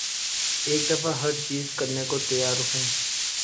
ایک دفعہ ہر چیز کرنے کو تیار ہوں